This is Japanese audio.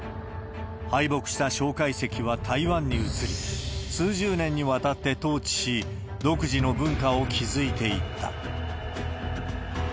敗北した蒋介石は台湾に移り、数十年にわたって統治し、独自の文化を築いていった。